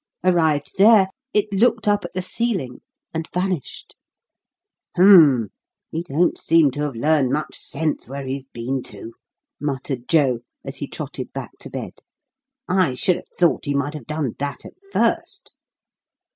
Arrived there, it looked up at the ceiling and vanished. "Umph! he don't seem to have learned much sense where he's been to," muttered Joe, as he trotted back to bed; "I should have thought he might have done that at first."